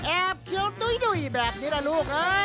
แอบเคี้ยวดุ้ยแบบนี้นะลูก